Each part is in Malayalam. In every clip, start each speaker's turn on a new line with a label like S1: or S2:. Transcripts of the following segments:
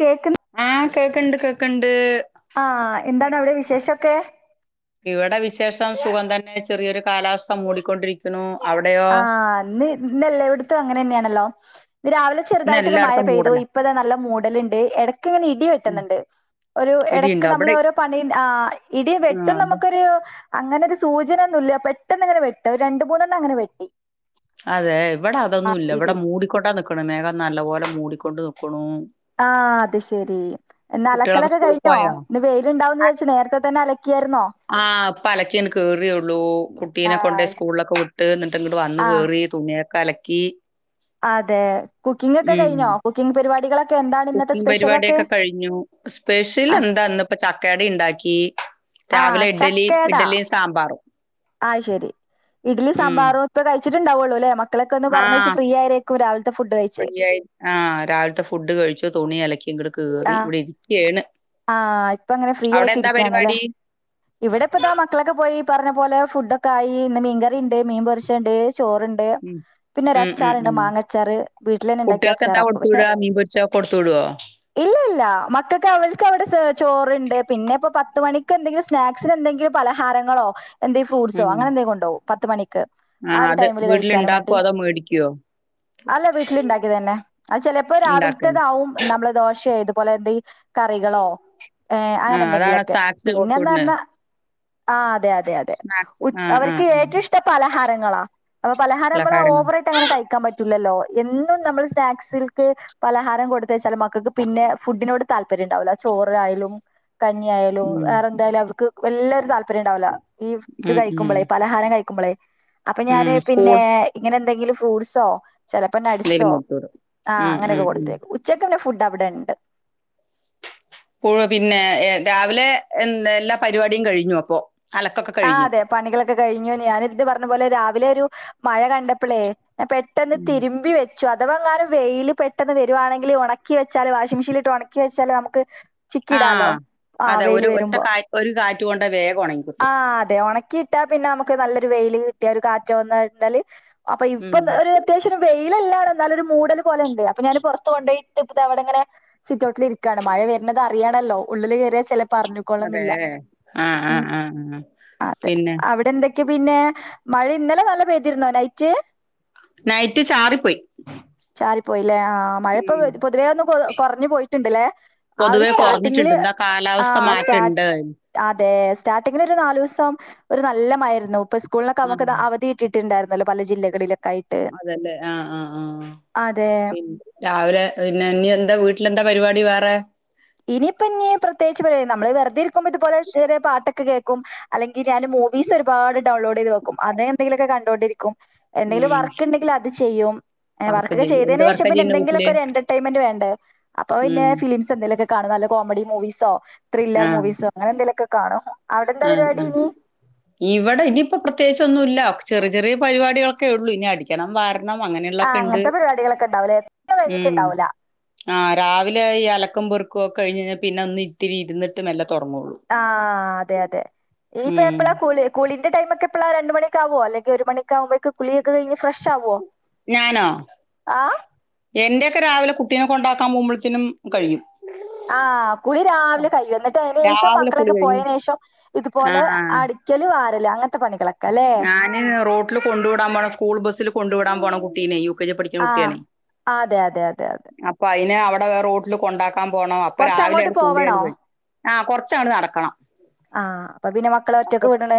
S1: കേക്ക്ന്ന്
S2: ആഹ് കേക്ക്ണ്ട് കേക്ക്ണ്ട്
S1: ആഹ് എന്താണ് അവിടെ വിശേഷൊക്കെ
S2: ഇവിടെ വിശേഷം സുഖം തന്നെ ചെറിയൊരു കാലാവസ്ഥ മൂടിക്കൊണ്ടിരിക്ക് ക്ക്ണൂ അവിടെയോ
S1: ആഹ് ഇന്ന് ന്നല്ലാവ്യിട്ത്തും അങ്ങനെന്നെയാണല്ലോ രാവിലെ
S2: ഇന്ന്
S1: ചെറുതായിട്ടൊരു മഴ
S2: എല്ലായിടത്തും
S1: പെയ്തു
S2: മൂടല
S1: ഇപ്പതാ നല്ല മൂടല്ണ്ട് എടക്ക് ഇങ്ങനെ ഇടി
S2: ഉം
S1: വെട്ട്ന്ന്ണ്ട് ഒരു എടക്ക്
S2: ഇടിയുണ്ടോ
S1: നമ്മള്
S2: അവിടെ
S1: ഓരോ പണി ആഹ് ഇടി
S2: ആഹ്
S1: വെട്ടുന്നമുക്കൊരു അങ്ങനെ ഒരു സൂചനന്നുല്ല പെട്ടെന്ന് ഇങ്ങനെ വെട്ട രണ്ട് മൂന്നെണ്ണം അങ്ങനെ വെട്ട്
S2: അതെ ഇവടെ അതൊന്നും ഇല്ല
S1: ഇടി
S2: ഇവടെ മൂടിക്കൊണ്ടാ നിക്കണെന്നെ [unintelligible] നല്ല പോലെ മൂടിക്കൊണ്ട് ന്ന്ക്ക്ണൂ
S1: ആഹ് അത് ശെരി എന്നാ
S2: കുട്ടികളൊക്കെ
S1: അലക്കലൊക്കെ
S2: സ്കൂളിൽ
S1: കഴിഞ്ഞോ
S2: പോയോ
S1: ഇന്ന് വെയിലുണ്ടാവുന്നെവിഏച്ച് നേരത്തെ തന്നെ അലക്ക്യായിരുന്നോ
S2: ആഹ് ഇപ്പ അലക്ക്യങ് കേറിയൊള്ളൂ
S1: ആ
S2: കുട്ടീനെ കൊണ്ടേ
S1: ശ്-
S2: സ്കൂൾലൊക്കെ വിട്ട് ന്നട്ട് ഇങ്ങട്ട് വന്ന്
S1: ആ
S2: കേറി റി തുണിയൊക്കെ അലക്കി
S1: അതെ കുക്കിംഗ് ഒക്കെ
S2: ഉം
S1: കഴിഞ്ഞോ കുക്കിംഗ് പരിപാടികളൊക്കെ എന്താണ് ഇന്നത്തെ സ്പെഷ്യലൊക്കെ
S2: ഴിഞ്ഞൂ സ്പെഷ്യൽ
S1: ആ
S2: എന്താ ഇന്ന്പ്പം ചക്ക അടീം ഇണ്ടാക്കി
S1: ആഹ്
S2: രാവിലെ
S1: ചക്കേടാ
S2: ഇഡലിഇഡലി സ് സാമ്പാറും
S1: ആഹ് ശരി ഇഡ്ലി
S2: ഉം
S1: സാമ്പാറും ഇപ്പൊ കഴിച്ചിട്ട്ണ്ടാവാെള്ളുല്ലേ മക് മക്കളെക്കെ ഒന്ന് പറഞ്ഞയ്ച്ച്
S2: ആഹ്
S1: ഫ്രീ ആയിരിക്കും രാവിലത്തെ ഫുഡ് കഴിച്ച്
S2: ഫ്രീ ആയി ആഹ് രാവിൽത്തെ ഫുഡ് കഴിച്ചു തുണി അലക്കി ഇങ്ങട്ട് കേറി
S1: ആഹ്
S2: ഇവിടെ ഇരിക്ക്യാണ്
S1: ആഹ് ഇപ്പങ്ങനെ ഫ്രീ ആയിട്ടിരിക്കാണലെ ഇവടെ ഇപ്പ ഇതാ മക്കളൊക്കെ പോയീ പറഞ്ഞ പോലെ ഫുഡൊക്കെ ആയി ഇന്ന് മീൻകറിണ്ട് മീൻ പൊരിച്ചെണ്ട് ചോറ്ണ്ട്
S2: ഉം ഉം ഉം ഉം
S1: വീട്ടിൽ തന്നെ ഉണ്ടാക്കിയ
S2: കുട്ടികൾക്ക് എന്താ
S1: അച്ചാറാ അപ്പൊ
S2: കൊടുത്തു
S1: പിന്നെ
S2: വിടാ മീൻപൊരിച്ചൊക്കെ കൊട്ത്തു വിടോ
S1: ഇല്ല ഇല്ല മക്കക്ക് അവര് ക്കെ അവിടെ സെ ചോറ്ണ്ട് പിന്നെ ഇപ്പ പത്തുമണിക്ക് എന്തെങ്കിലും സ്നാക്സിന് എന്തെങ്കിലും പലഹാരങ്ങളോ എന്തേ ഫ്രൂട്സോ
S2: ഉം
S1: അങ്ങനെന്തേലും കൊണ്ടോകും പത്ത് മണിക്ക് ആ
S2: ആഹ്
S1: ഒരു
S2: അത്
S1: ടൈമില് കഴിക്കാനും
S2: വീട്ടിലുണ്ടാക്കോ
S1: വേണ്ടി
S2: അതോ മേടിക്കോ
S1: അല്ല വീട്ടിലുണ്ടാക്കിയതന്നെ അത് ചിലപ്പോ
S2: ഇണ്ടാക്കാൻ
S1: രാവിലത്തേതാവും നമ്മളെ ദോശയെ ഇതുപോലെ എന്തെ കറികളോ അങ്ങനെ ഏഹ്
S2: ആഹ് അതാണ്
S1: അങ്ങനെന്തെങ്കിലൊക്കെ
S2: സ്നാക്സിന് കൊടുത്തു
S1: പിന്നെന്താ
S2: വിടണെ
S1: പറഞ്ഞാ ആ അതെ അതെ അതെ
S2: സ്നാക്സ്
S1: ഉച്
S2: ആഹ് ആഹ്
S1: അവർക്ക്
S2: ആഹ്
S1: ഏറ്റവും ഇഷ്ടം പലഹാരങ്ങളാ അപ്പൊ പലഹാരമ്മള്
S2: പലഹാരങ്ങൾ
S1: ഓവറ ക്കങ്ങനെ കഴിക്കാൻ പറ്റൂല്ലല്ലോ എന്നും നമ്മൾ സ്നാക്സിൽക്ക് പലഹാരം കൊടുത്തയച്ചാൽ മ കക്ക് പിന്നെ ഫുഡിനോട് താല്പര്യം ഉണ്ടാവില്ല ചോറായാലും കഞ്ഞിയായാലും
S2: ഉം
S1: വേറെന്തായാലും അവർക്ക് വല്ലരും താല്പര്യം ഉണ്ടാവില്ല ഈ ഇത്
S2: ഉം ഉം
S1: കഴിക്കുമ്പളേ പല ഹാരം കഴിക്കുമ്പളേ അപ്പോ ഞാന്
S2: ഉം സ്കൂൾ
S1: പിന്നെ ഇങ്ങനെ എന്തെങ്കിലും ഫ്രൂഡ്സോ ചിലപ്പേ
S2: എന്തേലും
S1: നഡ്സോ
S2: കൊടുത്തു വിടും
S1: ആ
S2: ഉം ഉം
S1: അങ്ങനെയൊക്കെ
S2: ഉം
S1: കൊടുത്തയക്കും ഉച്ചക്കുള്ള ഫുഡ് അവിടെ ഉണ്ട്
S2: പ്പൊ പിന്നെ രാവിലെ എല്ലാ പരിപാടിയും കഴിഞ്ഞു അപ്പൊ അലക്കൊക്കെ
S1: ആഹ്
S2: കഴിഞ്ഞു
S1: അതെ പണികളൊക്കെ കഴിഞ്ഞു ഞാനിത് പറഞ്ഞപോലെ രാവിലെ ഒരു മഴ കണ്ടപ്പോളേ ഞാ പെ പെട്ടെന്ന്
S2: ഉം
S1: തിരുമ്പി വെച്ചു അധവങ്ങാനും വെയിൽ പെട്ടെന്ന് വരുവാണെങ്കിൽ ഉണക്കി വെച്ചാല് വാഷിംഗ് മെഷീനിലിട്ട് ഉണക്കി വച്ചാല് നമുക്ക് ചിക്കിടാലോ
S2: ആഹ്
S1: ആ
S2: അതെ
S1: വെയില്
S2: ഒരു ഒറ്റ
S1: വരുമ്പോ
S2: കാ ഒരു കാറ്റ് കൊണ്ട വേഗം ഉണങ്ങിക്കിട്ടും
S1: ആഹ് അതെ ഉണക്കി ഇട്ടാ പിന്നെ നമുക്ക് നല്ലൊരു വെയില് കിട്ടിയ ഒരു കാറ്റ വന്ന ഇട്ടാല് അപ്പൊ ഇപ്പൊ
S2: ഉം
S1: ഒരു അത്യാവശ്യം വെയിലല്ലാ എന്നാലും മൂടൽ പോലെണ്ട് അപ്പൊ ഞാൻ പുറത്തു കൊണ്ടോയി ഇപ്പത്തെ അവിടെങ്ങനെ സിറ്റോട്ടിൽ ഇരിക്കുവാണ് മഴ വരുന്നത് അറിയാണല്ലോ ഉള്ളിൽ കയറിയ ചിലപ്പേ
S2: അതെ ആഹ് ആഹ് ആഹ് ആഹ്
S1: അതെ
S2: പിന്നെ
S1: അവിടെ എന്തൊക്കെയ പിന്നെ മഴ ഇന്നലെ നല്ല പെയ്തിരുന്നോ നെറ്റ്
S2: നൈറ്റ് ചാറി പോയി
S1: ചാരി പോയില്ലേ ആഹ് മഴ പ്പൊ
S2: ഉം
S1: പൊതുവേ ഒന്നു കുറഞ്ഞു പോയിട്ടുണ്ടല്ലേ ആ ഒരു
S2: പൊതുവെ കൊറഞ്ഞിട്ടുണ്ട്
S1: സ്റ്റാർട്ടിങ്ങില്
S2: എന്താ
S1: ആ
S2: കാലാവസ്ഥ
S1: സ്റ്റാ
S2: [unintelligible]
S1: അതെ സ്റ്റാർട്ടിങ്ങിൽ ഒരു നാല് ദിവസം ഒരു നല്ല മഴയായിരുന്നു ഇപ്പൊ സ്കൂളിനൊക്കെ നമുക്ക്
S2: ആഹ്
S1: അവധി ഇട്ടിട്ടുണ്ടായിരുന്നലോ പല ജില്ലകളിലും
S2: അതല്ലേ ആഹ് ആഹ് ആഹ്
S1: അതെ
S2: പിന്നെ രാവിലെ പിന്നെ ഇനി എന്താ വീട്ടിലെന്താ പരിപാടി വേറെ
S1: ഇനിയിപ്പം ഇനി പ്രത്യേകിച്ച് പരിപാടി നമ്മള് വെറുതെ ഇരിക്കുമ്പോ ഇതുപോലെ ചെറിയ പാട്ടേക്കെ കേൾക്കും അല്ലെങ്കിൽ ഞാൻ മൂവീസ് ഒരുപാട് ഡൗൺലോഡ് ചെയ്ത് വെക്കും അത് എന്തെങ്കിലൊക്കെ കണ്ടൊണ്ടിരിക്കും എന്തെങ്കിലും
S2: ഉം
S1: വർക്കിണ്ടെങ്കിൽ അത് ചെയ്യും ഏഹ്
S2: വർക്ക്
S1: വർക്കൊക്കെ
S2: ചെയ്യ എന്ത്
S1: ചെയ്തേനു ശേഷം
S2: വർക്കാ
S1: പിന്നെ
S2: ചെയ്യുന്നെ
S1: എന്തെങ്കിലൊക്കെ
S2: വീട്ടില്
S1: ഒരു ഏറെർറ്റൈൻട്മെന്റ് വേണ്ടേ അപ്പൊ പിന്നെ
S2: ഉം
S1: ഫിലിംസ് ച്ചന്തേലൊക്കെ കാണും നല്ല കോമഡി മൂവീസോ ത്രില്ലർ മൂവീസോ അങ്ങനെന്തേ ലാക്കെ കാണും അവിടെ എന്താ
S2: ആഹ്
S1: പരിപാടി
S2: ആഹ്
S1: ഇനി
S2: ഇവടെ ഇനിപ്പൊ പ്രത്യേകിച്ച് ഒന്നും ഇല്ല ചെറ്യ ചെറിയ പരിപാടികളൊക്കെ ഒള്ളൂ ഇനി അടിക്കണം വാരണ് രണം
S1: ആ
S2: അങ്ങനെയുള്ളൊക്കെ ഇണ്ട്
S1: അങ്ങനത്തെ പരിപാടികളൊക്കെ ഉണ്ടാവൂലേ എത്ര
S2: ഉം
S1: വൈകിട്ടുണ്ടാവൂല
S2: ആഹ് രാവിലെ ഈ അലക്കും പൊറുക്കുക്കെ കഴിഞ്ഞ് പിന്നെ ഒന്ന് ഇത്തിരി ഇര്ന്നിട്ട് മെല്ലെ തൊടങ്ങൊള്ളൂ
S1: ആഹ് അതെ അതെ ഇനിപ്പ
S2: ഉം
S1: എപ്പളാ കുളി കുളീന്റെ ടൈമൊക്കെ എപ്പളാ രണ്ട് മണിക്കാവുവോ അല്ലെങ്കി ഒരു മണിക്കാവുമ്പേക്ക്‌ കുളി ഒക്കെ കഴിഞ്ഞ് ഫ്രഷ് ആവുവോ
S2: ഞാനോ എന്റെ ഒക്കെ രാവിലെ കുട്ടീനെ കൊണ്ടാക്കാൻ പോവുമ്പഴത്തേനും കഴിയും
S1: ആഹ് കുളി രാവിലെ കയിയും എന്നിട്ട് അയിന് ശേഷം
S2: രാവിലെ കുളി
S1: മക്കളൊക്കെ
S2: കഴിയും
S1: പോയേന ശേഷം
S2: ആ
S1: ഇതുപോലെ അടി ക്കെല് വാരല് അങ്ങനത്തെ പണികള്
S2: ഞാന് റോട്ടില് കൊണ്ടു വിടാൻ പോണം സ്കൂൾ ബസ്സിലു കൊണ്ടു വിടാൻ പോണം കുട്ടീനെയും യു കെ ജെ പഠിക്കുന്ന
S1: ആഹ്
S2: കുട്ടിയാണെ
S1: അതെ അതെ അതെ അതെ
S2: അപ്പ അയിനെ അഹ് റോട്ടില് കൊണ്ടാക്കണം പപ്പാൻ പോണം അപ്പ
S1: കൊറച്ച് അങ്ങോട്ട്
S2: രാവിലെയാണ്ട് കുളി
S1: പോവണോ
S2: അടെ കഴിയും അഹ് കൊറച്ചങ്ങട്ട് നടക്കണം
S1: ആഹ് അപ്പ പിന്നെ മക്കള
S2: അപ്പൊ
S1: ഒറ്റക്കെ വിടണേ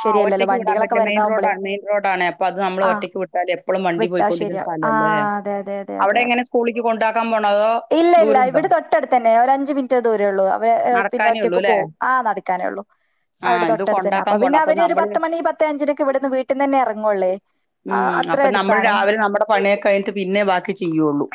S2: ആ
S1: ശരിയല്ല
S2: ഒറ്റയ്ക്ക് വിടാൻ പറ്റില്ല മെയിൻ റോഡാണ് മെയിൻ റോഡാണ് അപ്പ അത് നമ്മൾ
S1: ആഹ്
S2: ഒറ്റക്ക് വിട്ടാല് എപ്പളും വണ്ടി
S1: വിട്ടാ
S2: പോയ്ക്കൊണ്ടിന്ന
S1: ശരിയാവും
S2: സ്ഥലല്ലേ
S1: ആഹ് അതെ അതെ അതെ
S2: അവിടെങ്ങനെ സ്കൂളിക്ക് കൊണ്ടാക്കാൻ പോണോ അതോ
S1: ഇല്ലില്ല
S2: ദൂരമുണ്ടോ?
S1: ഇവിടെ തൊട്ടടുത്തന്നെ ഒരഞ്ചു മിനിറ്റെ ദൂരൊള്ളൂ അവര് ഏഹ്
S2: നടക്കാനേ ഉള്ളൂ
S1: പിന്നൊറ്റയൊക്ക്
S2: ല്ലേ?
S1: പോം ആഹ് നടക്കാനേ ഒള്ളൂ
S2: ആ
S1: അവിടെ
S2: ഇത്
S1: തൊട്ടടുത്തന്നാ അപ്പ
S2: കൊണ്ടാക്കാൻ
S1: പിന്നെ
S2: പോണം. അപ്പൊ
S1: അവര്
S2: നമ്മള്
S1: പത്ത് മണി പത്ത് അഞ്ചിനൊക്കെ ഇവിടുന്ന് വീട്ടിന്നന്നെ ഇറങ്ങു ഒള്ളേ
S2: ഉം അപ്പം നമ്മളു രാവിലെ നമ്മുടെ പണിയൊക്കെ കഴിഞ്ഞിട്ട് പിന്നേ ബാക്കി ചെയ്യുള്ളൂ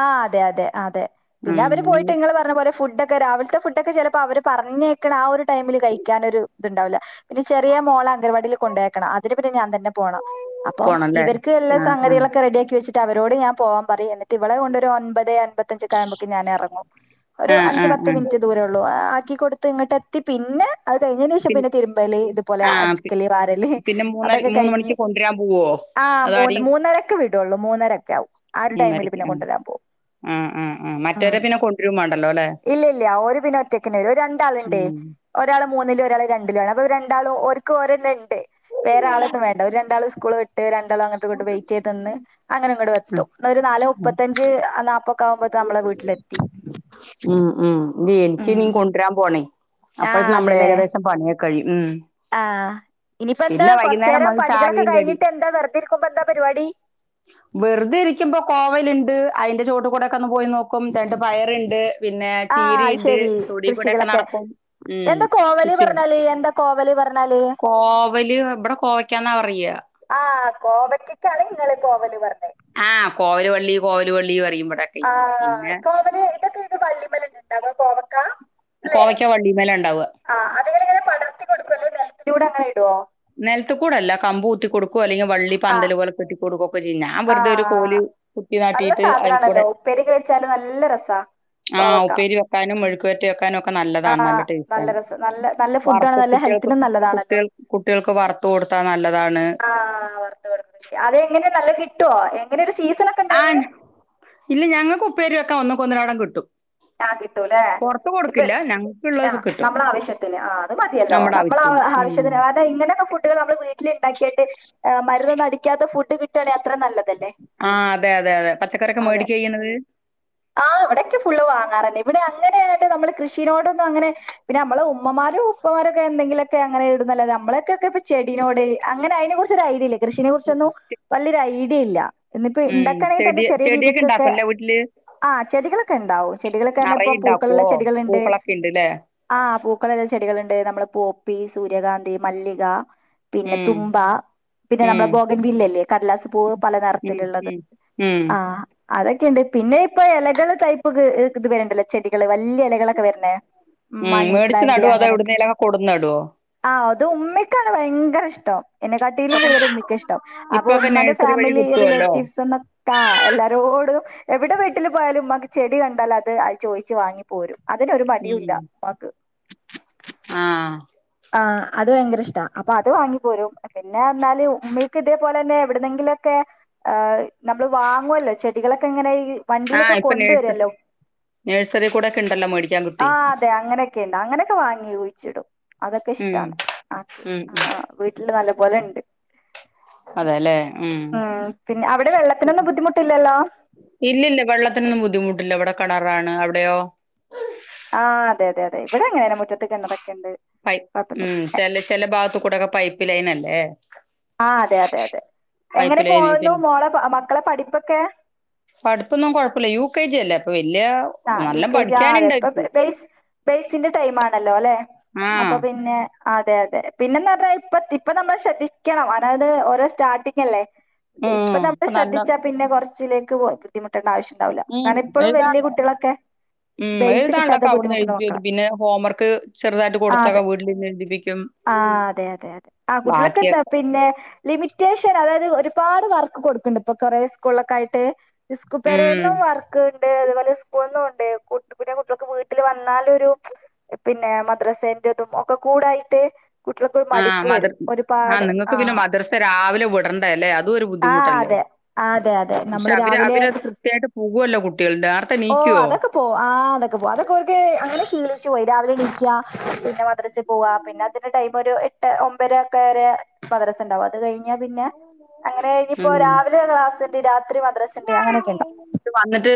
S1: ആഹ് അതെ അതെ അതെ
S2: ഉം
S1: പിന്നെവര്
S2: ഇനി
S1: പോയിട്ട് ഇങ്ങങ്ങള് പറഞ്ഞ പോലെ ഫുഡ്ഡോക്കെ ക്കെ രാവിലത്തെ ഫുഡ്ഡോക്കെ ചിലപ്പ അവര് പറഞ്ഞേക്കണ ആഹ് ഒരു ടൈമില് കഴിക്കാനൊരു ഇതുണ്ടാവില്ല പിന്നെ ചെറിയ മോളെ അംഗനവാടിയിൽ കൊണ്ടേക്കണം അതിന് പിന്നെ ഞാൻ തന്നെ പോണം അപ്പം
S2: പോണല്ലേ?
S1: ഇവർക്ക് എല്ലാ
S2: ആ ആ.
S1: സംഗതികളൊക്കെ റെഡിയാക്കി വെച്ചിട്ട് അവരോട് ഞാൻ പോവാൻ പറയും എന്നിട്ട് ട്ടിവളെ കൊണ്ടൊരു ഒൻപത് അൻപത് ത്തഞ്ച് ഒക്കാമ്പോക്ക്‌ ഞാനെറങ്ങും ഒരു
S2: ആ ആ
S1: അഞ്ചു പത്ത്
S2: ആ.
S1: മിനിറ്റ് ദൂരേ ഒള്ളൂ ആക്കികൊടുക്ക്‌ തിങ്ങോട്ടെത്തി പിന്നെ അത് കയിഞ്ഞേനേശം
S2: പിൻ
S1: പിന്നെ തിരുമ്പല് ഇതുപോലെ
S2: ആ പി
S1: അടിക്കല് വാരല്
S2: പിന്നെ മൂന്നര
S1: അതൊക്കെ
S2: മൂന്ന്
S1: കയിഞ്ഞ്
S2: മണിക്ക് കൊണ്ടുവരാൻ പോവോ?
S1: അഹ് മൂന്ന്
S2: അതാരെയും
S1: മൂന്നരക്കെ വീടൂള്ളൂ മൂന്നരൊക്കെ ആവും ആഹ് ഒരു ടൈമിലെ
S2: മൂന്നരയ്ക്ക്
S1: പിന്നെ
S2: ആ
S1: കൊണ്ടുവരാൻ പോം
S2: ആ ആ ആ.
S1: ഉം
S2: മറ്റവരെ പിന്നെ കൊണ്ടുവരും വേണ്ടല്ലോ ല്ലേ?
S1: ഇല്ലില്ല ഒരു പിന്നൊറ്റക്ന്ന വരും ഒരു രണ്ടാളുണ്ടേ
S2: ഉം.
S1: ഒരാള് മൂന്നിലും ഒരാള് രണ്ടിലും ആണ് അപ്പ രണ്ടാളും ഓര്ക്ക് ഒരെണ്ണ്ട് വേറാളൊന്നും വേണ്ട ഒരു രണ്ടാള് സ്കൂളു വിട്ട് ട്ട് രണ്ടാളങ്ങോട്ടും ഇങ്ങോട്ടും വെയ്റ്റേ ത് നിന്ന്
S2: ഉം
S1: അങ്ങനിങ്ങോട്ടെത്തും ഒരു നാലാ
S2: ഉം.
S1: അഞ്ച് നാപ്പൊക്കെ ആവുമ്പോത്ത് നമ്മളെ വീട്ടിലെത്തി ഉം
S2: കൊണ്ടരാൻ പോണേ
S1: ആ
S2: അപ്പ നമ്മൾ ഏകദേശം പണിയൊക്കഴിയും ഉം
S1: ആ്ഹ് ഇനിയിപ്പെന്താ
S2: പിന്നെ വൈകുന്നേരം
S1: കൊറച്ചേരം
S2: വന്ന്
S1: പണികളൊക്കെ
S2: ചായയും കടി
S1: കഴിഞ്ഞിട്ടെന്താ വെറുതെ ഇരിക്കുമ്പം എന്താ പരിപാടി
S2: വെറുതെ ഇരിക്കുമ്പ കോവലുണ്ട് അതിന്റെ ചോട്ടി കൂടൊക്കെ ഒന്ന് പോയി നോക്കും രണ്ടു പയറുണ്ട് പിന്നെ
S1: ആ
S2: ചീരീയിണ്ട്
S1: ശരി
S2: തൊടീ കൂടൊക്കെ
S1: കൃഷികളൊക്കെ
S2: നടക്കും ഉം
S1: എന്താ കോവല്
S2: കൃച്ചിയാണ്
S1: പറഞ്ഞാല് എന്താ കോവല് പറഞ്ഞാല്
S2: കോവല് ഇവിടെ കോവയ്ക്കാന്നാ പറയിക
S1: ആഹ് കോവയ്ക്കക്കാണ് ഇങ്ങള് കോവല് പറഞ്ഞേ
S2: ആഹ് കോവലു വള്ളി കോവലു വള്ളി പറിയുമിവിടെ
S1: ആഹ് ഇപ്പൊ ഏതൊക്കെ ഏത് വള്ളിമേലുണ്ടാവാ കോവക്കാ
S2: കോവയ്ക്ക വള്ളീമേലാ ഉണ്ടാവുക
S1: ആഹ് അതെങ്കലിങ്ങെനെ പടർത്തി കൊടുക്കുവല്ലേ നെലത്തിലൂടങ്ങനെ ഇടുവോ
S2: നെലത്തികൂടല്ല കമ്പ് കുത്തി കൊടുക്കുവോ അല്ലെങ്കിൽ വള്ളി
S1: ആ
S2: പന്തല് പോലെ കെട്ടി കൊടുക്കൊക്കെ ചെയ്യും ഞാൻ വെറുതെ ഒരു കോലു കുത്തി നാ ട്ടയിട്ട്
S1: ആണല്ലോ ഉപ്പരി കഴിച്ചാല് നല്ല രസാ
S2: ആഹ്
S1: കോവക്ക
S2: ഉപ്പേരി വെക്കാനും മുഴുക്കുവറ്റ വെക്കാനും ഒക്കെ ഒക്കെ
S1: ആ
S2: നല്ലതാണ് നല്ല ടേസ്റ്റ് ആണ്
S1: രസം നല്ല നല്ല ഫുഡാണ്
S2: വറത്ത
S1: നല്ല
S2: കുട്ടികൾക്ക്
S1: ഹെൽത്തിനും നല്ലതാണല്ലോ
S2: കുട്ടികൾ കുട്ടികൾക്ക് വറുത്ത് കൊടുത്താ നല്ലതാണ്
S1: ആ്ഹ് വറത്ത് കൊടുക്ക ശരി അതെങ്ങനെ നല്ല കിട്ടുമോ എങ്ങനെ ഒരു സീസൺ ഒക്കെ ഉണ്ടായിന്
S2: ആഹ് ഇല്ല ഞങ്ങൾക്ക് ഉപ്പരുയക്കെ ഒന്നകൊ ഒന്നരാടം കിട്ടും
S1: ആഹ് കിട്ടൂല്ലേ
S2: പൊറത്ത്
S1: ഇപ്പൊ
S2: കൊടുക്കില്ല ഞങ്ങൾക്കുള്ളതൊക്കെ
S1: ആഹ്
S2: കിട്ടും
S1: നമ്മള ആവശ്യത്തിന് ആഹ് അത് മ തിയല്ലോ
S2: നമ്മുടെ
S1: നമ്മള
S2: ആവശ്യത്തിന് ഉം
S1: ആവശ്യത്തിന് ഇങ്ങനെയൊക്ക ഫുഡ്ഡ്കൾ നമ്മള് വീട്ട്ല് ഇണ്ടാക്കിയിട്ട് മരുന്നൊന്നും അടിക്കാത്ത ഫുഡ്ഡ് കിട്ടാണെ അത്രെ നല്ലതല്ലെ
S2: ആഹ് അതെ അതെ അതെ പച്ചക്കറിയൊക മേടിക്ക ഇയ്യ്ണത്
S1: ആഹ് ഇവിടെക്കെ ഫുള്ള് വാങ്ങാറന്നെ. ഇവിടെ അങ്ങനെ ആണ്ട് നമ്മള് കൃഷിനോടൊന്നും അങ്ങനെ പിന്നെ നമ്മളെ ഉ ഉമ്മമാരും ഉപ്പമാരും ഒക്കെ എന്തെങ്കിലൊക്കെ അങ്ങനെ ഇടുംന്നല്ലാതെ നമ്മളൊക്കെക്കെ ചെടിനോട് അങ്ങനെ അയിനെ കുറിച്ചൊരു ഐഡിയല്ല കൃഷിനെ കുറിച്ചൊന്നും വല്ല്യൊര ഐഡിയല്ല ഇന്നിപ്പ
S2: ഉം
S1: ഇണ്ടാക്കാണെങ്കി തന്നെ
S2: ചെടി
S1: ചെറിയ
S2: ചെടിയൊക്കെ
S1: രീതിക്കൊക്കെ
S2: ഇണ്ടാക്കുംല്ലേ വീട്ടില്
S1: ആഹ് ചെടികളൊക്ക ഇണ്ടാവും ചെടികളൊക്കർഞ
S2: നറയെ
S1: ഇപ്പ
S2: ഇണ്ടാക്കോ
S1: പൂക്കള്ള്ള ചെടികള്ണ്ട്
S2: പൂക്കളൊക്കെ ഇണ്ട്ല്ലേ
S1: ആഹ് പൂക്കളില്ല ചെടികള്ണ്ട് നമ്മ്ടെ പോപ്പി സൂര്യകാന്തി മല്ലിക പിന്നെ
S2: ഉം
S1: തുമ്പ പിന്നെ നമ്മളെ
S2: ഉം
S1: ബോഗൻ ബില്ലലെ കടലാസ് പൂവ് പല
S2: ഉം
S1: നെർത്തില്ള്ളത്
S2: ഉം ഉം
S1: അതൊക്കെണ്ട് പിന്നെ ഇപ്പൊ എലകള് തൈപ്പ് ഇത് വേണ്ടലൊ ചെടികള് വല്യ എലകളൊക്ക വര്ണെ
S2: ഉം മേട്ച്ച് നടൊ എവിടുന്നേലൊക്ക കൊട്ന്ന്ടൊ
S1: ആഹ് അത് ഉമ്മക്കാണ് ഭയങ്കര ഇഷ്ടം എന്നെ കാട്ടിലും കൂടുതല് ഉമ്മിക്കാ ഇഷ്ടം. അപ്പൊ
S2: ഇപ്പൊക്കെ
S1: ഉമ്മന്റെ
S2: നഴ്സറി വഴി
S1: ഫാമിലി
S2: കിട്ടുവല്ലോ
S1: റിലേറ്റീവ്സ് എന്ന ആഹ് എല്ലാരോടും എവിടെ വീട്ടില് പോയാലും ഉമ്മക്ക് ചെടി കണ്ടാല് അത് ചോയിച്ച് വാങ്ങി പോരും അതിനൊരു മടിയുല്ല
S2: ഉം
S1: ഇമ്മാക്ക്
S2: ആഹ്
S1: ആഹ് അത് ഭയങ്കര ഇഷ്ട്ട അപ്പൊ അത് വാങ്ങി പോരും പിന്നെ എന്നാല് ഉമ്മക്ക് ഇതേപോലെന്നെ എവിടുന്നെങ്കിലൊക്കെ ഏഹ് നമ്മള് വാങ്ങുവല്ലൊ ചെടികളൊക്ക ഇങ്ങന ഈ വണ്ടിയിലൊക്ക കൊണ്ടുവരുവല്ലൊ
S2: നെഴ്സറി കൂടക്കണ്ടല്ലൊ മേടി
S1: ആഹ് അതെ അങ്ങനെയൊക്കെ ഇണ്ട് അങ്ങനെയൊക്കെ വാങ്ങി കുഴിച്ചിടും അതൊക്കെ
S2: ഉം
S1: ഇഷ്ടാണ് ആക്ക്
S2: ഉം ഉം
S1: ആഹ് വീട്ടില് നല്ലപോല ഇണ്ട് ഉം പിന്നെ അവടെ വെള്ളത്തിനൊന്നും ബുദ്ധിമുട്ടില്ലലോ
S2: ഇല്ലില്ല വെള്ളത്തിനൊന്നും ബുദ്ധിമുട്ടില്ല ഇവടെ കെണറാണ് അവിടെയോ
S1: ആഹ് അതെ അതെ ഇവടെ അങ്ങനെന്നെ മുറ്റത്ത് കിണറൊക്ക ഇണ്ട്
S2: പയ് ഉം ചെല ചെല ഭാഗത്ത് കൂടൊക പൈപ്പ് ലൈനല്ലെ
S1: ആഹ് അതെ അതെ അതെ എങ്ങനെ പോവോന്നു
S2: പിന്നെ
S1: മോളെ മക്കളെ പഠിപ്പൊക്കെ
S2: പഠിപ്പൊന്നും കൊഴപ്പല്ല യു കെ ജി അല്ലെ അപ്പൊ വല്യെ
S1: ആഹ് യൂ കെ ജ്യാ ഇപ്പ പെയ്സ് ബെയ്സിന്റെ ടൈമാണല്ലൊലേ
S2: ആഹ്
S1: അപ്പൊ പിന്നെ അതെ അതെ പിന്നെന്നാത്രെ ഇപ്പ ഇപ്പ നമ്മള് ശ്രദ്ധിക്കണം അതായത് ഓരൊ സ്റ്റാർട്ടിങ്ങല്ലെ
S2: ഉം
S1: ഇപ്പം നമ്മള്
S2: അപ്പൊ നല്ല
S1: ശ്രദ്ധിച്ചാ പിന്നെ കൊറ്ച്ചിലേക്ക് പൊ ബുദ്ധിമുട്ടണ്ട ആവശ്യണ്ടാവില്ല
S2: ഉം
S1: കാര്ണം ഇപ്പളും
S2: എഴുതാ
S1: വല്യ കുട്ട ളൊക്കെ
S2: ഉം എഴ്താള്ളൊക്ക അവിട്ന്നെഴ്തി
S1: മക്കളാ
S2: വരും പിന്നെ ഹോം വർക്ക് ചെറ്തായിട്ട് കൊടുത്തൊക്ക വീട്ടിലിര്ന്ന് എഴ്തിപ്പിക്കും
S1: ആഹ് അതെ അതെ അതെ ആഹ് കുട്ടീളൊക്ക നേ പിന്നെ ലിമിറ്റേഷൻ അതായത് ഒരുപാട് വർക്ക് കൊടുക്ക്ൺണ്ട് ഇപ്പൊ കൊറേ സ്കൂളിലൊക്കായിട്ട് സ്കു
S2: ഉം
S1: പെരേന്നും വർക്ക്ണ്ട് അതുപോലെ സ്കൂൾന്നൂണ്ട് പിന്ന കുട്ടീൾ വീട്ടില് വന്നാലൊരു പിന്നെ മദ്രസേന്റതും ഒക്ക കൂടായ്ട്ട് കുട്ടീൾക്കൊരു
S2: ആഹ്
S1: മടിപ്പ് വരും
S2: മദർ
S1: ഒരുപാട്
S2: നിങ്ങൾക്ക് പിന്നെ
S1: ആഹ്
S2: മദ്രസ രാവിലെ വിടണ്ടേ അല്ലേ അതും ഒരു
S1: ആഹ്
S2: ബുദ്ധിമുട്ടല്ലേ
S1: അതെ അതെ അതെ നമ്മള് രാവിലെ
S2: ക്രിത്യായിട്ട് പോവ്വൊല്ലൊ കുട്ടീള് ടാർ
S1: ഓഹ് അതൊക്ക പോ ആഹ് അതൊക്ക പോവും അതൊക്കോർക്ക് അങ്ങനെ ശീലിച്ചു പോയി രാവിലെ എണീക്ക പിന്നെ മദ്രസി പോവാ പിന്നെ അതിന്റെ ടൈമൊരു എട്ട് ഒമ്പെര ഒക്കെ വരെ മദ്റസ ഇണ്ടാവും അത് കഴിഞ്ഞ് പിന്നെ അങ്ങനെ ഇഞിപ്പൊ
S2: ഉം
S1: രാവിലെ ക്ലാസ് ഇണ്ട് രാത്രി മദ്രസണ്ട് അങ്ങനെക്കെ ഇണ്ടൊ
S2: വിന്നിട്ട്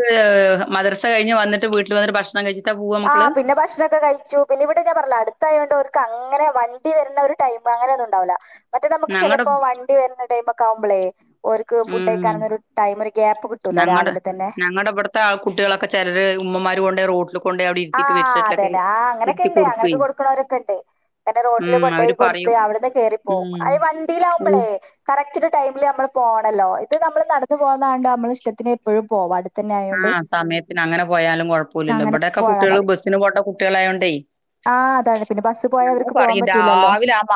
S2: മദറസ കഴിഞ്ഞ് വന്നിട്ട് വീട്ടിൽ വന്നിട്ട് ഭകഷ് ണം കഴ്ച്ട്ട പൂവ
S1: ആഹ് പിന്നെ ഭഷ്ണൊക്കെ കഴിച്ചു പിന്നെ ഇവടെ ഞാൻ പറഞ്ഞിലെ അടുത്തായോണ്ട് ഓർക്ക് അങ്ങനെ വണ്ടി വര്ണ ഒരു ടൈമ് അങ്ങനൊന്നുണ്ടാവില്ല മറ്റത് ഞമ്മക്ക്
S2: ഞങ്ങടെ
S1: ചെലപ്പൊ വണ്ടി വര്ണ ടൈമൊക്കാവുമ്പളെ ഓർക്ക് ഫുഡ്
S2: ഉം
S1: കഴിക്കാനൊന്നൊരു ടൈം ഒരു ഗ്യാപ്പ് കിട്ടൂല രാവിലെ തന്നെ
S2: ത്താ ആ കുട്ടിയാ ളൊക്കെ ചിലര് ഉമ്മമാര് കൊങ്ങോയി റോഡില് ക്കും
S1: ആഹ് അതന്നെ ആ അങ്ങനൊക്കെ ണ്ട്
S2: കൊടുക്കുവേ
S1: അങ്ങനെയൊക്കെ കൊടുക്ക് ണോരൊക്കെ ണ്ട് എന്നെ റോട്ടിൽ
S2: ഉം
S1: കൊണ്ടോ. യി
S2: അവര്
S1: കൊടുത്ത്
S2: പറയും
S1: അവിടെന്ന് കേറിപ്പോവും അയ്
S2: ഉം
S1: വണ്ടിയിലാവുമ്പളേ കറക്റ്റ് ഒരു ടൈമില് നമ്മൾ പോകണല്ലോ ഇത് നമ്മള് നടന്നു പോകുന്നതാണ്ട് നമ്മള ഇഷ്ടത്തിന് എപ്പോഴും പോവാ അടു
S2: ആഹ് സമയത്തിന് അങ്ങനെ പോയാലും കുഴപ്പോല്ലല്ലോ
S1: അങ്ങനെ
S2: ഇമ്പടെയൊക്കെ
S1: പോയാൽ
S2: കുട്ടിയേൾ
S1: മതി
S2: ബസ്സിന് പോണ്ട കുട്ടിയാളായോണ്ടേ
S1: ആഹ് അതാണ് പിന്നെ ബസ് പോയ അവർക്ക് പോവാൻ പറ്റൂല്ലല്ലോ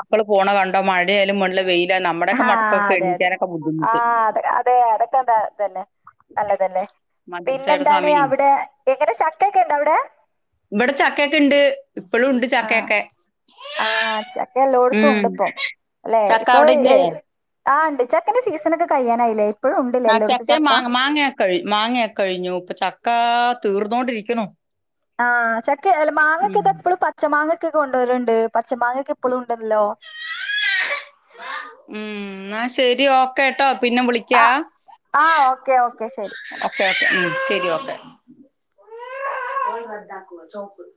S2: ക്കള് പോണ കണ്ടാ മഴയാലും വേണ്ടില്ല വെയില നമ്മുടെയക്കെ
S1: ആഹ്
S2: മക്കൊക്കെ എണിക്കാനൊക്കെ ബുദ്ധിമുട്ട്
S1: തെ അടക്കതാ തന്നെ നല്ലതല്ലേ
S2: മദ്രസയുടെ
S1: പിന്നെന്താണ്
S2: സമയേ
S1: അവിടെ എങ്ങനെ ചക്കെക്കെ ണ്ട അവിടെ
S2: ഇവിടെ ചക്കയൊക്കെ ണ്ട് ഇപ്പോഴും ണ്ട്
S1: ആഹ്
S2: ചക്കയൊക്കെ
S1: ആഹ് ചക്കെ എല്ലോടുത്തും
S2: ഉം
S1: ഉണ്ട് പ്പം അല്ലെ
S2: ചക്ക
S1: ഇപ്പൊ
S2: അവിടെ
S1: എ
S2: ഇല്ലേ
S1: ആണ്ട് ചക്കന്റെ സീസൺ ഒക്കെ കഴിയാനായി ലേ
S2: ആഹ് ചക്കെ മാങ്ങ മാങ്ങ കഴ മാങ്ങയാ കഴിഞ്ഞു ഇപ്പൊ ചക്കാ തീർന്നോണ്ടിരിക്കുന്നു
S1: ആഹ് ചക്ക മാങ്ങക്കെ ഇതെപ്പോഴും പച്ച മാങ്ങക്കെ കൊണ്ടുവരുണ്ട് പച്ച മാങ്ങൊക്കെ എപ്പോഴും ഉണ്ടല്ലോ
S2: ഉം ന്നാശരി ഓക്കെ ട്ടോ പിന്നെ വിളി
S1: ആഹ് ആഹ് ഓക്കെ ഓക്കെ ശരി
S2: ഉം ശരി ഓക്കെ